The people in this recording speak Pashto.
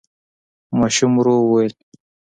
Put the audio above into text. ماشوم ورو وويل: